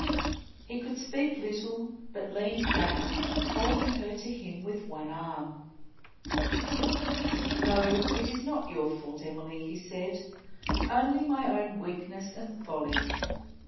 He could speak little, but leaned back, holding her to him with one arm. "No, it is not your fault, Emily," he said. "Only my own weakness and folly.